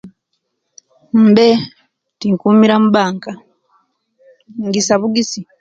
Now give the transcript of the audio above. Mbe. Tinkumira mubanka, ingisa bugisi.